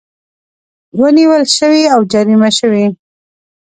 ونیول شوې او جریمه شوې